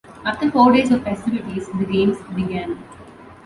After four days of festivities the Games began.